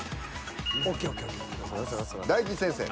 大吉先生。